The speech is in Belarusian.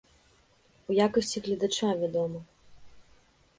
У якасці гледача, вядома!